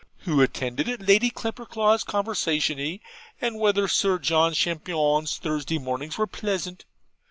'Who attended at Lady Clapperclaw's conversazioni?' and 'whether Sir John Champignon's "Thursday Mornings" were pleasant?'